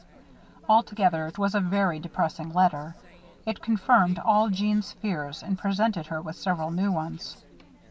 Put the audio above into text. Altogether, it was a very depressing letter. It confirmed all Jeanne's fears and presented her with several new ones.